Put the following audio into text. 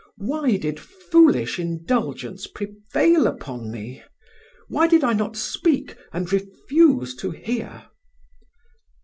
Why did foolish indulgence prevail upon me? Why did I not speak, and refuse to hear?"